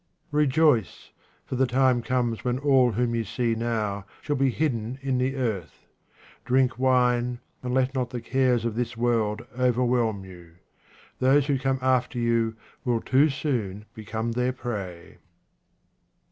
Rejoice, for the time comes when all whom you see now shall be hidden in the earth. Drink wine, and let not the cares of this world overwhelm you. Those who come after you will too soon become their prey.